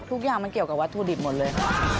ทุกอย่างมันเกี่ยวกับวัตถุดิบหมดเลย